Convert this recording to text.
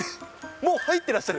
もう入ってらっしゃる？